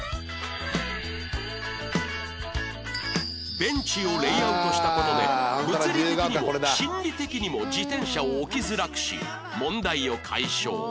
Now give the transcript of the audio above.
ベンチをレイアウトした事で物理的にも心理的にも自転車を置きづらくし問題を解消